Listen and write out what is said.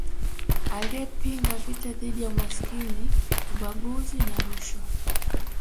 Aliyepinga vita dhidi ya umasikini ubaguzi na rushwa